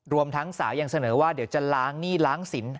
รวมทั้งสาวยังเสนอว่าเดี๋ยวจะล้างหนี้ล้างสิน